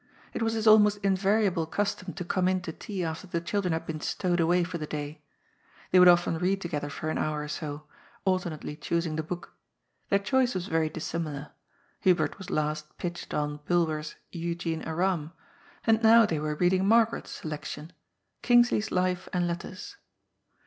It was his almost invari able custom to come in to tea after the children had been stowed away for the day. They would often read together for an hour or so, alternately choosing the book. Their choice was very dissimilar. Hubert had last pitched on Bnlwer's " Eugene Aram," and now they were reading Mar garet's selection :*^ Eingsley's Life and Letters."